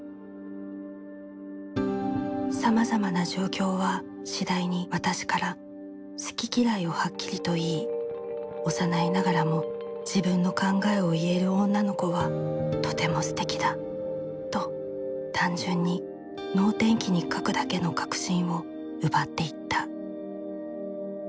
「さまざまな状況はしだいに私から好き嫌いをはっきりといい幼いながらも自分の考えをいえる女の子はとても素敵だと単純にノー天気に書くだけの確信を奪っていった」。